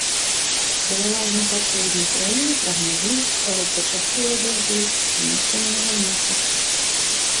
Пераважна па поўдні краіны прагназуюцца кароткачасовыя дажджы, месцамі навальніцы.